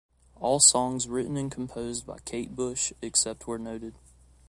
All songs written and composed by Kate Bush, except where noted.